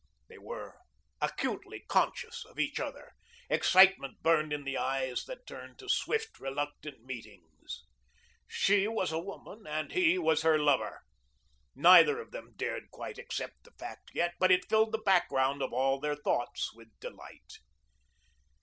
They were acutely conscious of each other. Excitement burned in the eyes that turned to swift, reluctant meetings. She was a woman, and he was her lover. Neither of them dared quite accept the fact yet, but it filled the background of all their thoughts with delight.